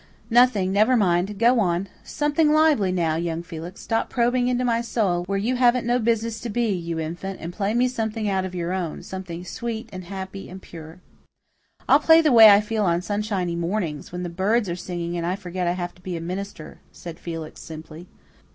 "Nothing never mind go on. Something lively now, young Felix. Stop probing into my soul, where you haven't no business to be, you infant, and play me something out of your own something sweet and happy and pure." "I'll play the way I feel on sunshiny mornings, when the birds are singing and I forget I have to be a minister," said Felix simply.